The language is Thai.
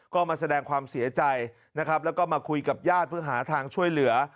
ก็มาแสดงความเสียใจนะครับแล้วก็มาคุยกับญาติเพื่อหาทางช่วยเหลือ